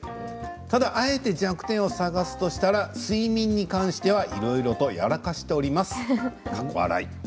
ただあえて弱点を探すとしたら睡眠に関してはいろいろとやらかしております。笑